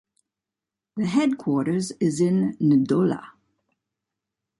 The headquarters is in Ndola.